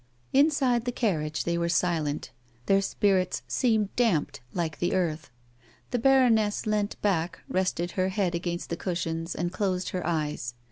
Inside the carriage they were silent : their spirits seemed damped, lil^e the earth. The baroness leant back, rested her head against the cushions, and closed her eyes.